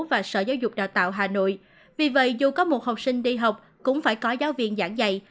và sở giáo dục đào tạo hà nội vì vậy dù có một học sinh đi học cũng phải có giáo viên giảng dạy